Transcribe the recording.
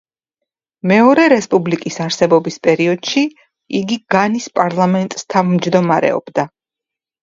მეორე რესპუბლიკის არსებობის პერიოდში იგი განის პარლამენტს თავმჯდომარეობდა.